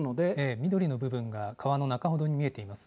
緑の部分が川の中ほどに見えています。